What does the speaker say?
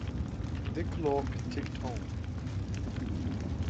The clock ticked on.